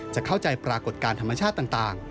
จะเข้าใจปรากฏการณ์ธรรมชาติต่าง